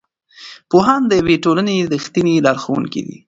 پوهان د یوې ټولنې رښتیني لارښوونکي دي.